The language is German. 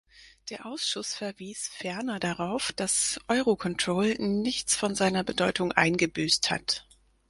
Der Ausschuss verwies ferner darauf, dass Eurocontrol nichts von seiner Bedeutung eingebüßt hat.